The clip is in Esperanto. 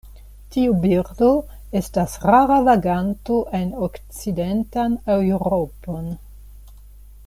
Tiu birdo estas rara vaganto en okcidentan Eŭropon.